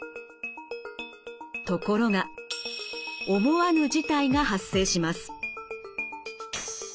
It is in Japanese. ところが思わぬ事態が発生します。